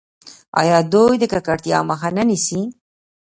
آیا دوی د ککړتیا مخه نه نیسي؟